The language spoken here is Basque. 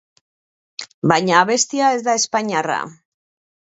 Baina abestia ez da espainiarra.